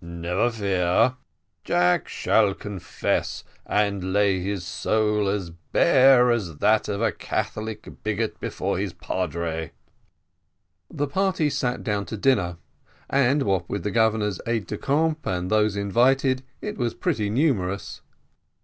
"Never fear, Jack shall confess, and lay his soul as bare as that of a Catholic bigot before his padre." The party sat down to dinner, and what with the Governor's aide de camp and those invited, it was pretty numerous.